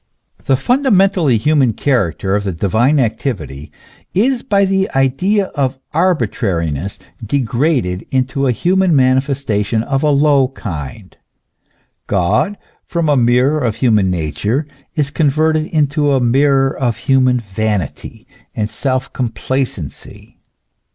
The fundamentally human character of the divine activity is by the idea of arbitrariness degraded into a human manifestation of a low kind; God, from a mirror of human nature is converted into a mirror of human vanity and self complacency, THE CONTRADICTION IN THE NATURE OF GOD.